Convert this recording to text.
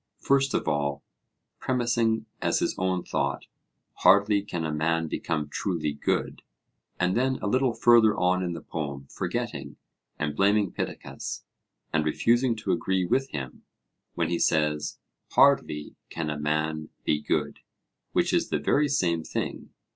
First of all, premising as his own thought, 'Hardly can a man become truly good'; and then a little further on in the poem, forgetting, and blaming Pittacus and refusing to agree with him, when he says, 'Hardly can a man be good,' which is the very same thing.